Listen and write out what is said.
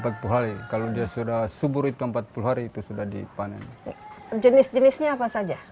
empat puluh hari kalau dia sudah subur itu empat puluh hari itu sudah dipanen jenis jenisnya apa saja